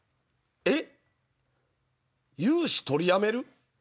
えっ⁉融資取りやめる？